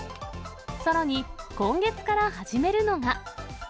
さらに今月から始めるのが。